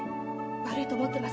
悪いと思ってます。